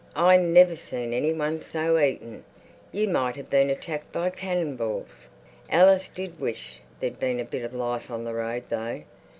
"I never seen anyone so eaten. You might have been attacked by canningbals." Alice did wish there'd been a bit of life on the road though.